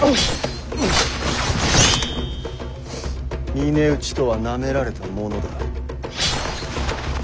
峰打ちとはなめられたものだ。